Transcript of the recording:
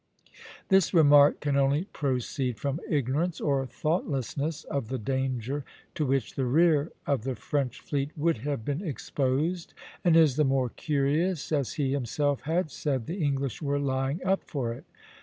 This remark can only proceed from ignorance or thoughtlessness of the danger to which the rear of the French fleet would have been exposed, and is the more curious as he himself had said the English were lying up for it.